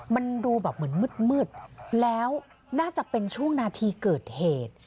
มันดูแบบเหมือนมืดแล้วน่าจะเป็นช่วงนาทีเกิดเหตุ